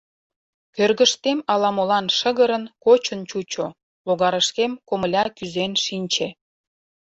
Кӧргыштем ала-молан шыгырын, кочын чучо, логарышкем комыля кӱзен шинче.